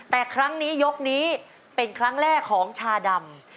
แต่ครั้งนี้ยกนี้เป็นครั้งแรกของชาดำ